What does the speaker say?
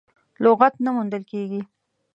لغت نه موندل کېږي.